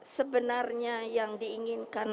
sebenarnya yang diinginkan